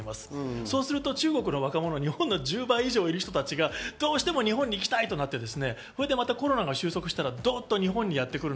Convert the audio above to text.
そうすると中国の若者は日本の１０倍以上いる人はどうしても日本に行きたいとなって、コロナが収束したら、どっと日本にやってくる。